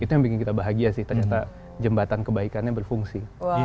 itu yang bikin kita bahagia sih ternyata jembatan kebaikannya berfungsi